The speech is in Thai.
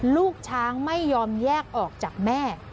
ลูกช้างไม่ยอมแยกออกจากแม่